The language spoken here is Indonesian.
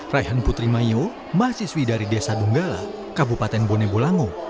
raihan putri mayo mahasiswi dari desa donggala kabupaten bone bolango